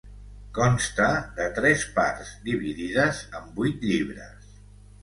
Consta de tres parts, dividides en vuit llibres.